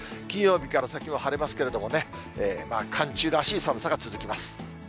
金曜日から先は晴れますけれどもね、寒中らしい寒さが続きます。